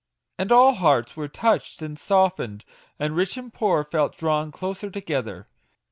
And all hearts were touched and softened, and rich and poor felt drawn closer together!